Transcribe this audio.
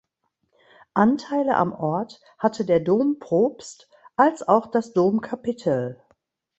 Anteile am Ort hatte der Domprobst als auch das Domkapitel.